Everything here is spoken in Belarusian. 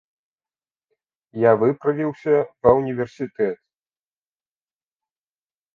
Я выправіўся ва ўніверсітэт.